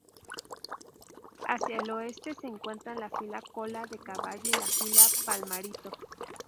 Hacia el oeste se encuentran la fila Cola de Caballo y la fila Palmarito.